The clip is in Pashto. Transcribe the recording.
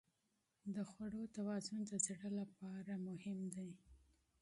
د خوړو توازن د زړه لپاره مهم دی.